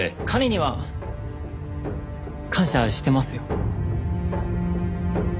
彼には感謝してますよ。